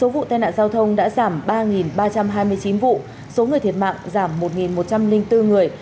sáu vụ tai nạn giao thông đã giảm ba ba trăm hai mươi chín vụ số người thiệt mạng giảm một một trăm linh bốn người